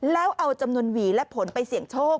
แล้วเอาจำนวนหวีและผลไปเสี่ยงโชค